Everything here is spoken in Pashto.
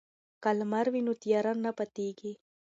که لمر وي نو تیارې نه پاتیږي.